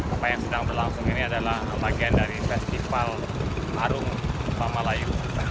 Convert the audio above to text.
apa yang sedang berlangsung ini adalah bagian dari festival arung sama layu